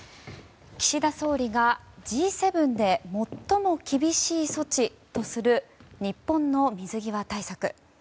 岸田総理がＧ７で最も厳しい措置とする日本の水際対策。